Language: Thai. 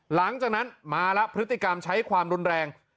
หลังจากนั้นมาแล้วพฤติกรรมใช้ความรุนแรง